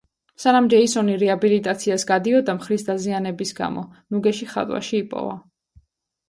სანამ ჯეისონი რეაბილიტაციას გადიოდა მხრის დაზიანების გამო, ნუგეში ხატვაში იპოვა.